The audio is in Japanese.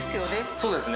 そうですね。